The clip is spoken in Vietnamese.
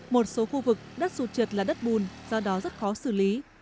một số khu vực đất sụt trượt là đất bùn do đó rất khó xử lý